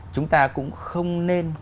chúng ta cũng không nên